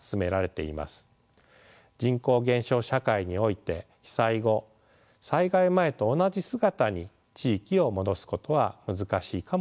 人口減少社会において被災後災害前と同じ姿に地域を戻すことは難しいかもしれません。